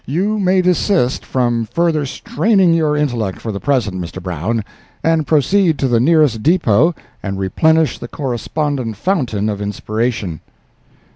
You may desist from further straining your intellect for the present, Mr. Brown, and proceed to the nearest depot and replenish the correspondent fountain of inspiration."